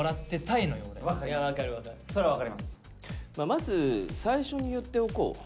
まず最初に言っておこう。